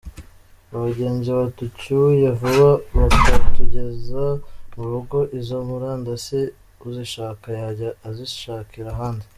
Abagenzi baducyuye vuba bakatugeza mu rugo izo murandasi uzishaka yajya azishakira ahandi.